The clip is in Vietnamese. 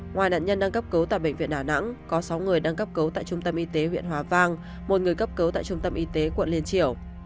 ngoài nạn nhân đang cấp cứu tại bệnh viện đà nẵng có sáu người đang cấp cứu tại trung tâm y tế huyện hòa vang một người cấp cứu tại trung tâm y tế quận liên triều